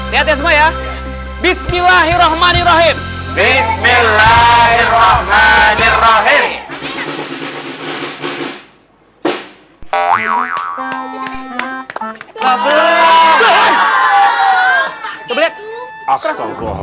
lihat ya semua ya bismillahirrohmanirrohim bismillahirrohmanirrohim